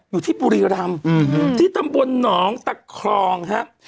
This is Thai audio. อยู่ที่บุรีรำที่ตำบลหนองตะครองครับ